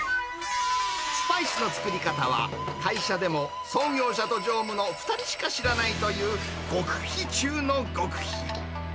スパイスの作り方は、会社でも創業者と常務の２人しか知らないという極秘中の極秘。